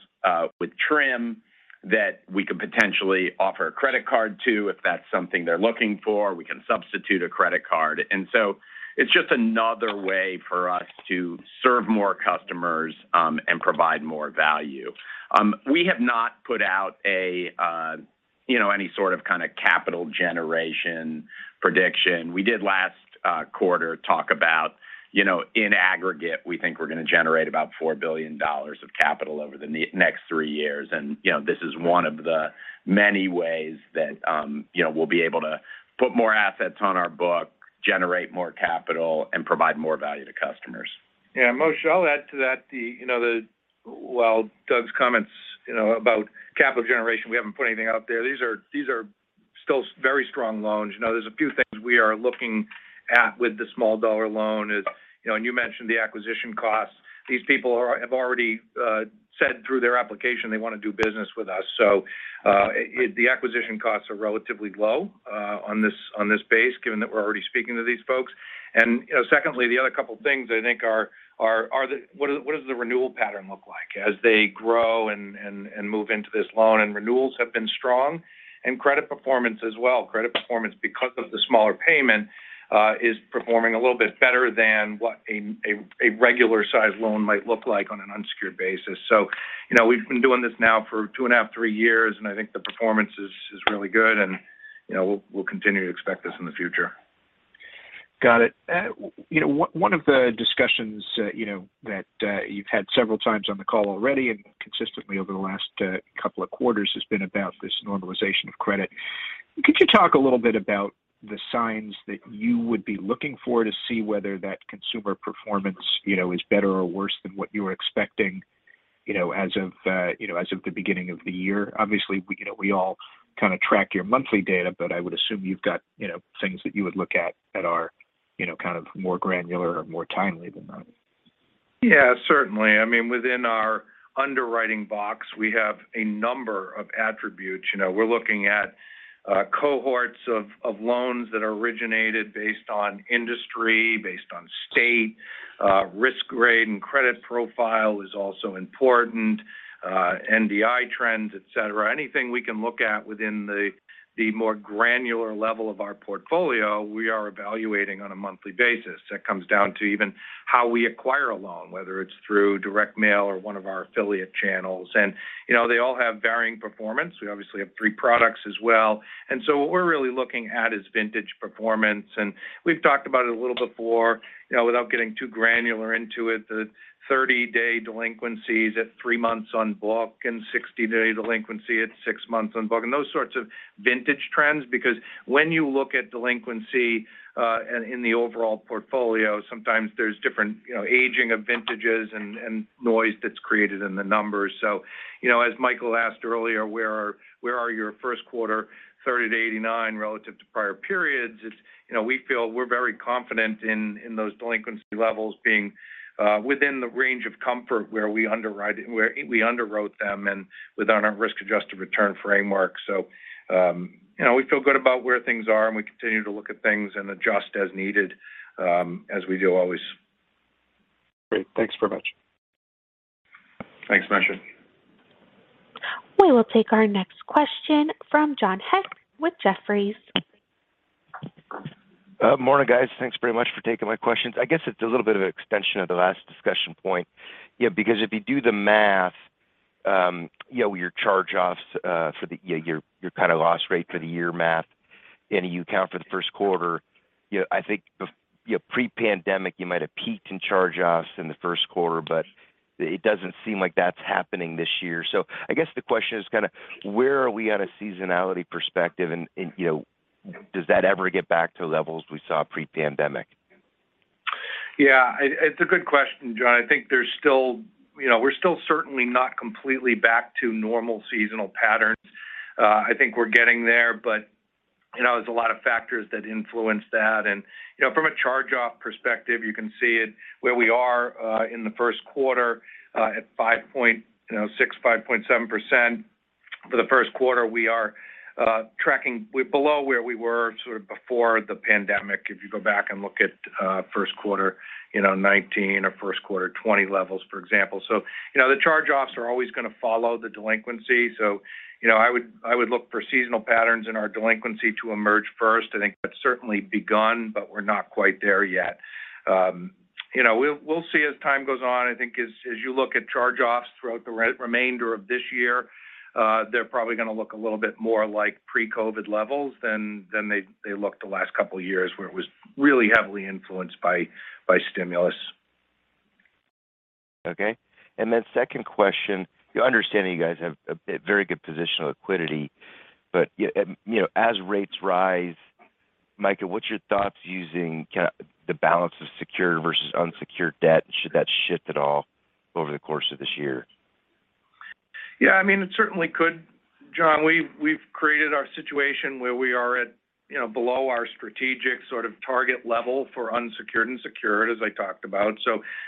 with Trim that we could potentially offer a credit card to if that's something they're looking for. We can substitute a credit card. It's just another way for us to serve more customers and provide more value. We have not put out a, you know, any sort of kind of capital generation prediction. We did last quarter talk about, you know, in aggregate, we think we're going to generate about $4 billion of capital over the next three years. You know, this is one of the many ways that, you know, we'll be able to put more assets on our book, generate more capital, and provide more value to customers. Moshe, I'll add to that, you know, while Doug's comments, you know, about capital generation, we haven't put anything out there. These are still very strong loans. You know, there's a few things we are looking at with the smaller dollar loan, you know, and you mentioned the acquisition costs. These people have already said through their application they want to do business with us. So, the acquisition costs are relatively low on this base, given that we're already speaking to these folks. You know, secondly, the other couple things I think are what the renewal pattern looks like as they grow and move into this loan. Renewals have been strong and credit performance as well. Credit performance because of the smaller payment is performing a little bit better than what a regular size loan might look like on an unsecured basis. You know, we've been doing this now for two and half, three years, and I think the performance is really good. You know, we'll continue to expect this in the future. Got it. You know, one of the discussions that you've had several times on the call already and consistently over the last couple of quarters has been about this normalization of credit. Could you talk a little bit about the signs that you would be looking for to see whether that consumer performance, you know, is better or worse than what you were expecting, you know, as of the beginning of the year? Obviously, you know, we all kind of track your monthly data, but I would assume you've got, you know, things that you would look at that are, you know, kind of more granular or more timely than that. Yeah, certainly. I mean, within our underwriting box, we have a number of attributes. You know, we're looking at cohorts of loans that are originated based on industry, based on state, risk grade and credit profile is also important, NDI trends, etc. Anything we can look at within the more granular level of our portfolio, we are evaluating on a monthly basis. That comes down to even how we acquire a loan, whether it's through direct mail or one of our affiliate channels. You know, they all have varying performance. We obviously have three products as well. What we're really looking at is vintage performance. We've talked about it a little before, you know, without getting too granular into it, the 30-day delinquencies at three months on book and 60-day delinquency at six months on book and those sorts of vintage trends. Because when you look at delinquency and in the overall portfolio, sometimes there's different, you know, aging of vintages and noise that's created in the numbers. You know, as Michael asked earlier, where are your first quarter 30-89 relative to prior periods? It's, you know, we feel we're very confident in those delinquency levels being within the range of comfort where we underwrote them and within our risk-adjusted return framework. You know, we feel good about where things are, and we continue to look at things and adjust as needed, as we do always. Great. Thanks very much. Thanks, Moshe. We will take our next question from John Hecht with Jefferies. Morning, guys. Thanks very much for taking my questions. I guess it's a little bit of an extension of the last discussion point. Yeah, because if you do the math, you know, your charge-offs for the you know your kind of loss rate for the year math and you account for the first quarter, you know, I think if you know pre-pandemic, you might have peaked in charge-offs in the first quarter, but it doesn't seem like that's happening this year. I guess the question is kind of where are we at a seasonality perspective and you know does that ever get back to levels we saw pre-pandemic? Yeah. It's a good question, John. I think there's still, you know, we're still certainly not completely back to normal seasonal patterns. I think we're getting there, but you know, there's a lot of factors that influence that. You know, from a charge-off perspective, you can see it where we are in the first quarter at 5.6%-5.7%. For the first quarter, we are tracking. We're below where we were sort of before the pandemic if you go back and look at first quarter 2019 or first quarter 2020 levels, for example. You know, I would look for seasonal patterns in our delinquency to emerge first. I think that's certainly begun, but we're not quite there yet. You know, we'll see as time goes on. I think as you look at charge-offs throughout the remainder of this year, they're probably gonna look a little bit more like pre-COVID levels than they looked the last couple of years where it was really heavily influenced by stimulus. Second question, I understand that you guys have a very good position on liquidity. You know, as rates rise, Micah, what's your thoughts using kind of the balance of secured versus unsecured debt? Should that shift at all over the course of this year? Yeah, I mean, it certainly could. John, we've created our situation where we are, you know, below our strategic sort of target level for unsecured and secured, as I talked about.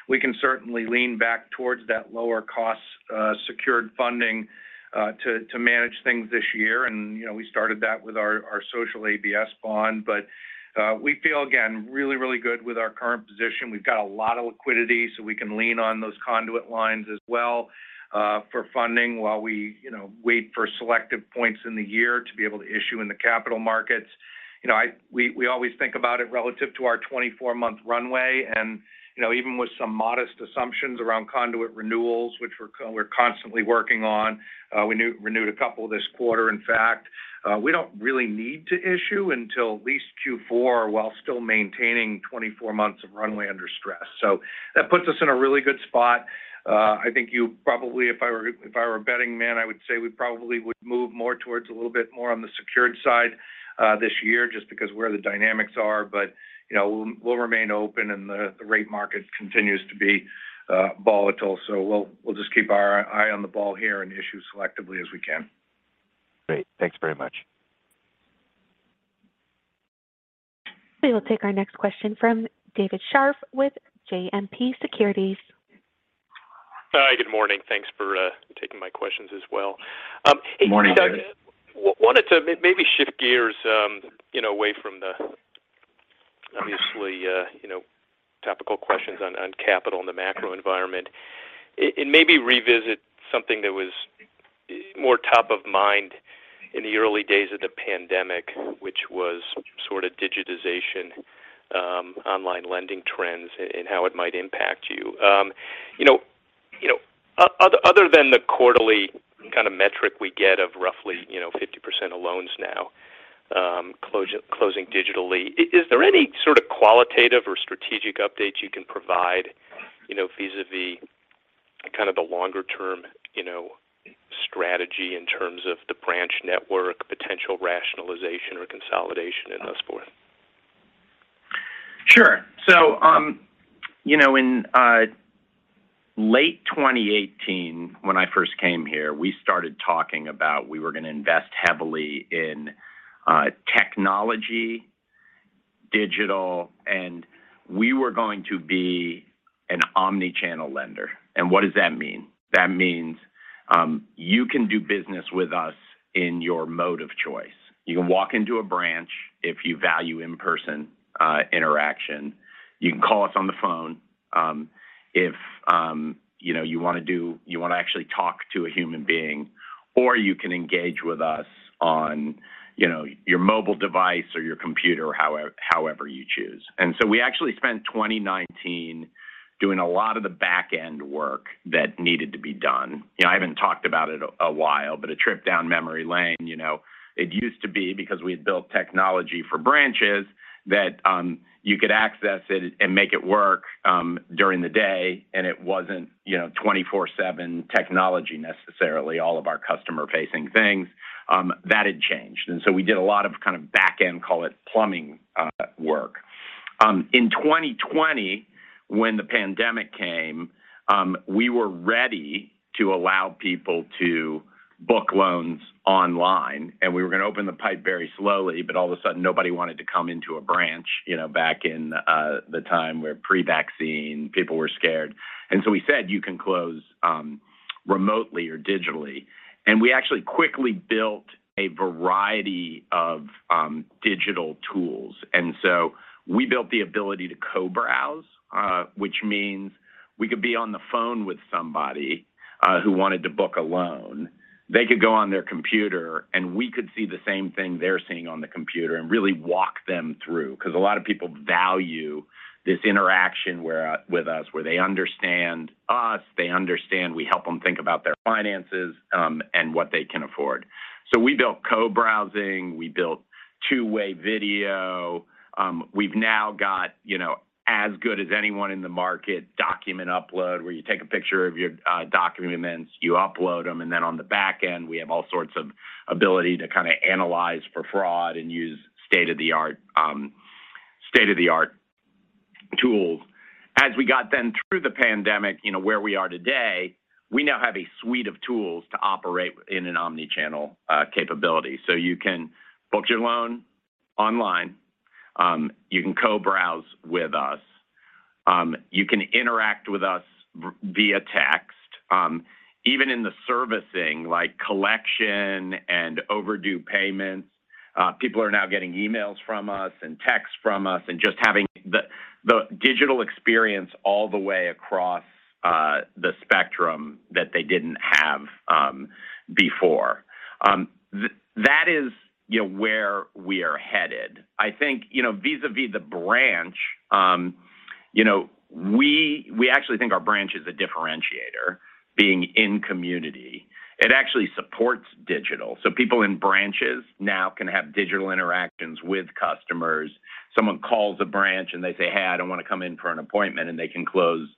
We can certainly lean back towards that lower cost secured funding to manage things this year. You know, we started that with our Social ABS bond. We feel again really good with our current position. We've got a lot of liquidity, so we can lean on those conduit lines as well for funding while we, you know, wait for selective points in the year to be able to issue in the capital markets. You know, we always think about it relative to our 24-month runway. You know, even with some modest assumptions around conduit renewals, which we're constantly working on, we renewed a couple this quarter in fact, we don't really need to issue until at least Q4 while still maintaining 24 months of runway under stress. That puts us in a really good spot. I think you probably, if I were a betting man, I would say we probably would move more towards a little bit more on the secured side, this year just because where the dynamics are. You know, we'll remain open and the rate market continues to be volatile. We'll just keep our eye on the ball here and issue selectively as we can. Great. Thanks very much. We will take our next question from David Scharf with JMP Securities. Hi, good morning. Thanks for taking my questions as well. Good morning, David. I wanted to maybe shift gears, you know, away from the obviously topical questions on capital and the macro environment, and maybe revisit something that was more top of mind in the early days of the pandemic, which was sort of digitization, online lending trends and how it might impact you. You know, other than the quarterly kind of metric we get of roughly 50% of loans now closing digitally, is there any sort of qualitative or strategic updates you can provide, you know, vis-a-vis kind of the longer term strategy in terms of the branch network, potential rationalization or consolidation and so forth? Sure. You know, in late 2018 when I first came here, we started talking about we were going to invest heavily in technology, digital, and we were going to be an omni-channel lender. What does that mean? That means, you can do business with us in your mode of choice. You can walk into a branch if you value in-person interaction. You can call us on the phone, if you know, you want to actually talk to a human being, or you can engage with us on, you know, your mobile device or your computer however you choose. We actually spent 2019 doing a lot of the back end work that needed to be done. You know, I haven't talked about it a while, but a trip down memory lane, you know, it used to be because we'd built technology for branches that, you could access it and make it work, during the day, and it wasn't, you know, 24/7 technology necessarily, all of our customer-facing things. That had changed. We did a lot of kind of back end, call it plumbing, work. In 2020 when the pandemic came, we were ready to allow people to book loans online, and we were going to open the pipe very slowly, but all of a sudden nobody wanted to come into a branch, you know, back in, the time where pre-vaccine people were scared. We said, you can close remotely or digitally. We actually quickly built a variety of digital tools. We built the ability to co-browse, which means we could be on the phone with somebody who wanted to book a loan. They could go on their computer, and we could see the same thing they're seeing on the computer and really walk them through. Because a lot of people value this interaction where with us, where they understand us, they understand we help them think about their finances and what they can afford. We built co-browsing. We built two-way video. We've now got, you know, as good as anyone in the market document upload where you take a picture of your document and then you upload them. Then on the back end, we have all sorts of ability to kind of analyze for fraud and use state-of-the-art tools. As we got through the pandemic, you know, where we are today, we now have a suite of tools to operate in an omni-channel capability. You can book your loan online, you can co-browse with us, you can interact with us via text. Even in the servicing, like collection and overdue payments, people are now getting emails from us and texts from us and just having the digital experience all the way across the spectrum that they didn't have before. That is, you know, where we are headed. I think, you know, vis-a-vis the branch, you know, we actually think our branch is a differentiator being in community. It actually supports digital. People in branches now can have digital interactions with customers. Someone calls a branch and they say, "Hey, I don't want to come in for an appointment," and they can close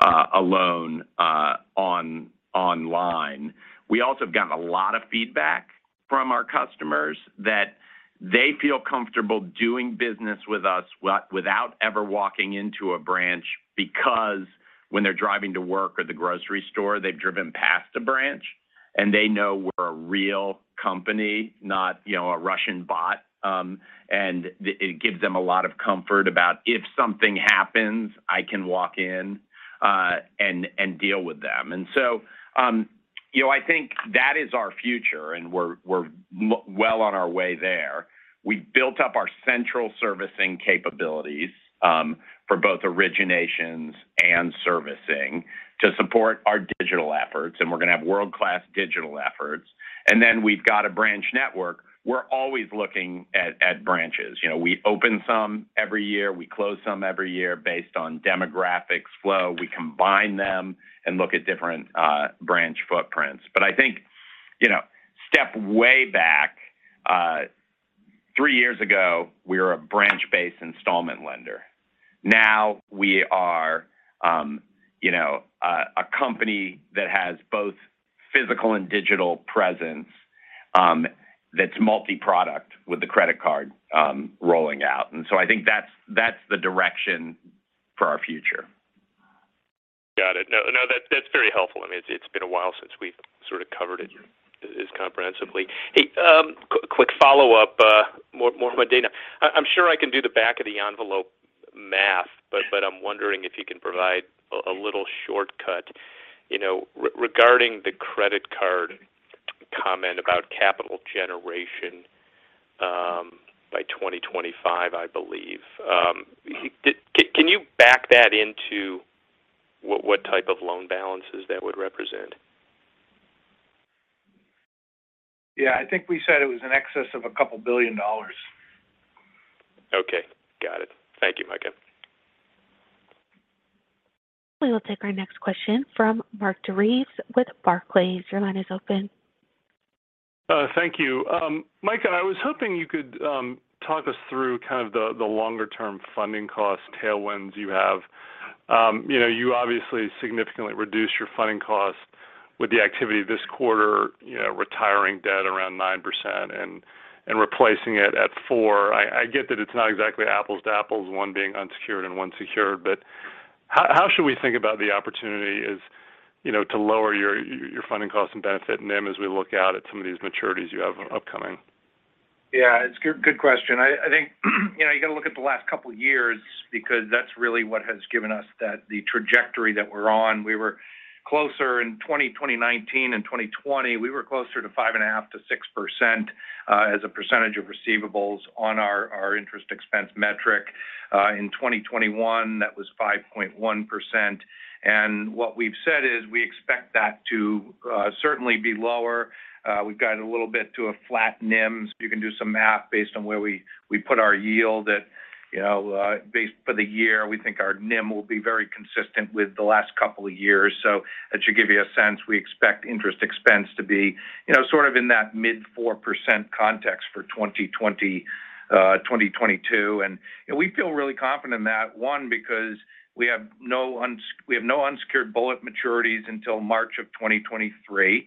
a loan online. We also have gotten a lot of feedback from our customers that they feel comfortable doing business with us without ever walking into a branch because when they're driving to work or the grocery store, they've driven past a branch and they know we're a real company, not, you know, a Russian bot. It gives them a lot of comfort about if something happens, I can walk in and deal with them. You know, I think that is our future and we're well on our way there. We've built up our central servicing capabilities for both originations and servicing to support our digital efforts, and we're going to have world-class digital efforts. Then we've got a branch network. We're always looking at branches. You know, we open some every year. We close some every year based on demographics flow. We combine them and look at different branch footprints. But I think, you know, step way back. Three years ago, we were a branch-based installment lender. Now we are, you know, a company that has both physical and digital presence, that's multi-product with the credit card rolling out. I think that's the direction for our future. Got it. No, that's very helpful. I mean, it's been a while since we've sort of covered it this comprehensively. Hey, quick follow-up, more on [data]. I'm sure I can do the back of the envelope math, but I'm wondering if you can provide a little shortcut. You know, regarding the credit card comment about capital generation, by 2025, I believe. Can you back that into what type of loan balances that would represent? Yeah. I think we said it was in excess of a couple billion dollars. Okay. Got it. Thank you, Micah. We will take our next question from Mark DeVries with Barclays. Your line is open. Thank you. Micah, I was hoping you could talk us through kind of the longer-term funding cost tailwinds you have. You know, you obviously significantly reduced your funding costs with the activity this quarter, you know, retiring debt around 9% and replacing it at 4%. I get that it's not exactly apples to apples, one being unsecured and one secured. How should we think about the opportunity as, you know, to lower your funding costs and benefit NIM as we look out at some of these maturities you have upcoming? Yeah. It's good question. I think, you know, you got to look at the last couple years because that's really what has given us that the trajectory that we're on. In 2019 and 2020, we were closer to 5.5%-6% as a percentage of receivables on our interest expense metric. In 2021, that was 5.1%. What we've said is we expect that to certainly be lower. We've gotten a little bit to a flat NIM. You can do some math based on where we put our yield at, you know, based for the year. We think our NIM will be very consistent with the last couple of years. That should give you a sense. We expect interest expense to be, you know, sort of in that mid-4% context for 2022. You know, we feel really confident in that, one, because we have no unsecured bullet maturities until March of 2023. You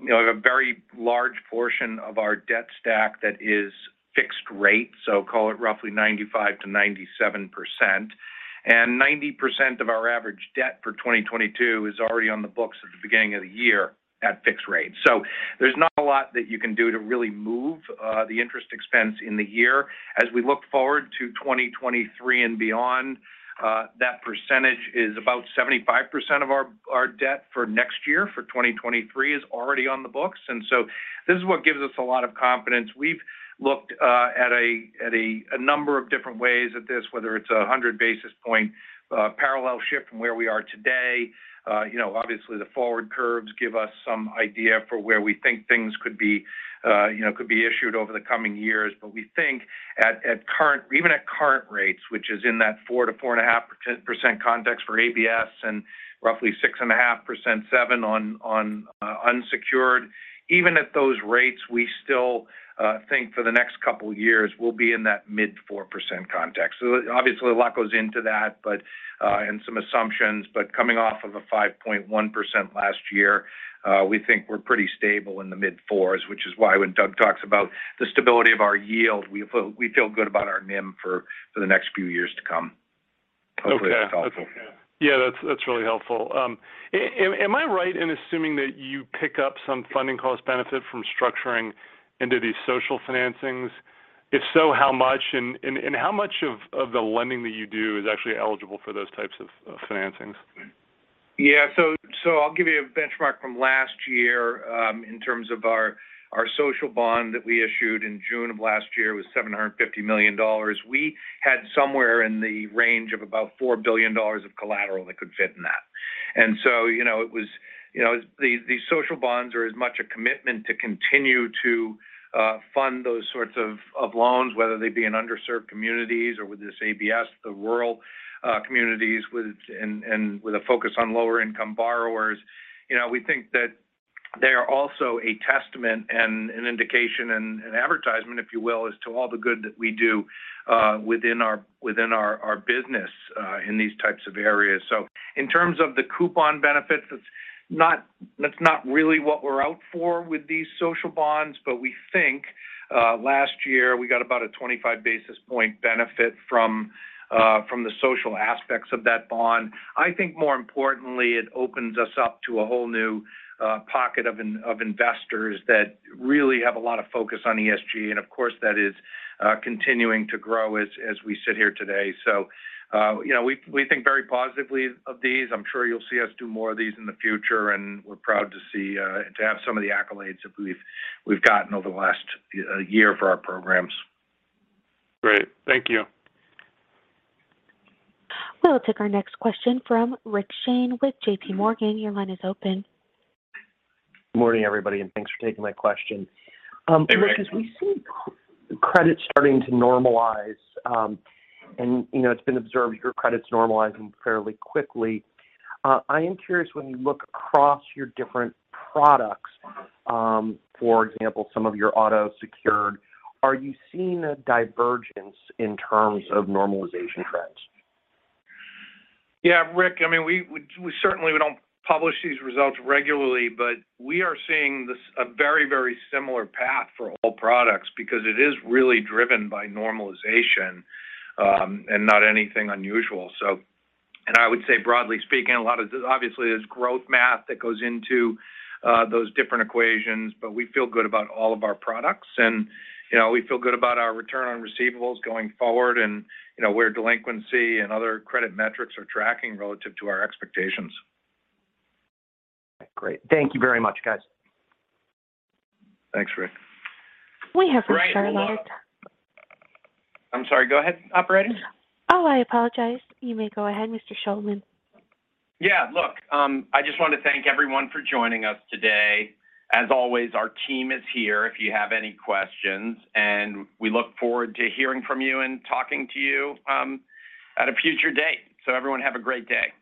know, a very large portion of our debt stack that is fixed rate, so call it roughly 95%-97% and 90% of our average debt for 2022 is already on the books at the beginning of the year at fixed rate. There's not a lot that you can do to really move the interest expense in the year. As we look forward to 2023 and beyond, that percentage is about 75% of our debt for next year, for 2023, is already on the books. This is what gives us a lot of confidence. We've looked at a number of different ways at this, whether it's 100 basis point parallel shift from where we are today. You know, obviously the forward curves give us some idea for where we think things could be issued over the coming years. We think at current, even at current rates, which is in that 4%-4.5% context for ABS and roughly 6.5%, 7% on unsecured. Even at those rates, we still think for the next couple years we'll be in that mid-4% context. Obviously a lot goes into that, but and some assumptions. Coming off of a 5.1% last year, we think we're pretty stable in the mid-4s-percent, which is why when Doug talks about the stability of our yield, we feel good about our NIM for the next few years to come. Okay. Yeah, that's really helpful. Am I right in assuming that you pick up some funding cost benefit from structuring into these social financings? If so, how much and how much of the lending that you do is actually eligible for those types of financings? I'll give you a benchmark from last year in terms of our social bond that we issued in June of last year was $750 million. We had somewhere in the range of about $4 billion of collateral that could fit in that. These social bonds are as much a commitment to continue to fund those sorts of loans, whether they be in underserved communities or with this ABS, the rural communities with a focus on lower income borrowers. We think that they are also a testament and an indication and an advertisement, if you will, as to all the good that we do within our business in these types of areas. In terms of the coupon benefits, that's not really what we're out for with these social bonds. We think last year we got about a 25 basis points benefit from the social aspects of that bond. I think more importantly, it opens us up to a whole new pocket of investors that really have a lot of focus on ESG. Of course, that is continuing to grow as we sit here today. You know, we think very positively of these. I'm sure you'll see us do more of these in the future, and we're proud to have some of the accolades that we've gotten over the last year for our programs. Great. Thank you. We'll take our next question from Rick Shane with JPMorgan. Your line is open. Morning, everybody, and thanks for taking my question. Hey, Rick. We see credit starting to normalize, and you know, it's been observed your credit's normalizing fairly quickly. I am curious, when you look across your different products, for example, some of your auto secured, are you seeing a divergence in terms of normalization trends? Yeah, Rick, I mean, we certainly don't publish these results regularly, but we are seeing this a very, very similar path for all products because it is really driven by normalization and not anything unusual. I would say broadly speaking, a lot of this obviously is growth math that goes into those different equations. We feel good about all of our products and, you know, we feel good about our return on receivables going forward. You know, where delinquency and other credit metrics are tracking relative to our expectations. Great. Thank you very much, guys. Thanks, Rick. [We have from Charlotte]. I'm sorry. Go ahead, operator. I apologize. You may go ahead, Mr. Shulman. Yeah, look, I just want to thank everyone for joining us today. As always, our team is here if you have any questions and we look forward to hearing from you and talking to you, at a future date. Everyone have a great day.